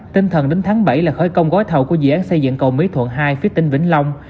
tinh thần đến tháng bảy là khởi công gói thầu của dự án xây dựng cầu mỹ thuận hai phía tinh vĩnh long